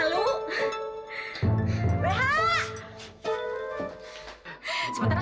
leha cepetan leha